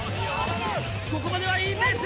ここまではいいペース！